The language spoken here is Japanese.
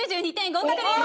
合格です！